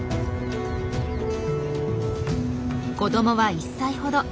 子どもは１歳ほど。